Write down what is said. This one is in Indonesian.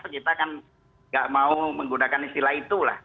kita kan tidak mau menggunakan istilah itulah